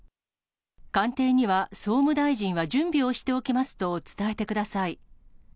官邸には、総務大臣は準備をしておきますと伝えてください。